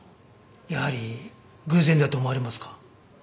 やはり偶然だと思われますか？